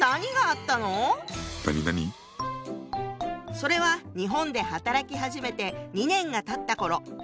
それは日本で働き始めて２年がたったころ。